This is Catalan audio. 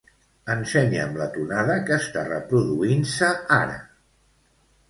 Ensenya'm la tonada que està reproduint-se ara.